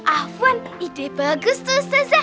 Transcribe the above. ahwan ide bagus tuh ustazah